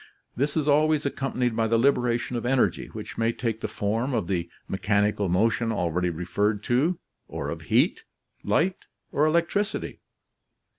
This is always accompanied by the liberation of energy, which may take the form of the mechanical motion already referred to, or of heat, light, or electricity.